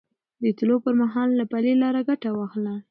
د تلو پر مهال له پلي لارو ګټه واخلئ.